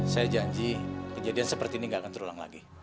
saya janji kejadian seperti ini gak akan terulang lagi